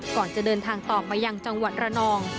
ก่อนจะเดินทางต่อไปยังจังหวัดระนอง